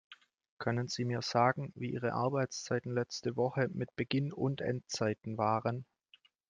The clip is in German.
Können Sie mir sagen, wie Ihre Arbeitszeiten letzte Woche mit Beginn und Endzeiten waren?